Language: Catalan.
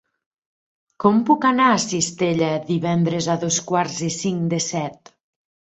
Com puc anar a Cistella divendres a dos quarts i cinc de set?